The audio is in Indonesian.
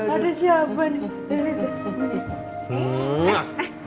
aduh siapa nih